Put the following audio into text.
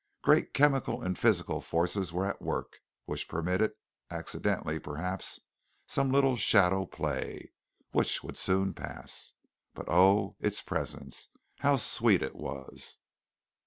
Great chemical and physical forces were at work, which permitted, accidentally, perhaps, some little shadow play, which would soon pass. But, oh, its presence how sweet it was!